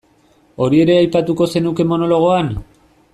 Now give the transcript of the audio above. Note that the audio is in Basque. Hori ere aipatuko zenuke monologoan?